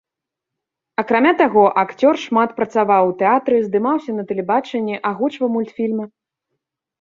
Акрамя таго, акцёр шмат працаваў у тэатры, здымаўся на тэлебачанні, агучваў мультфільмы.